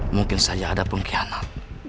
mungkin saja ada pengkhianat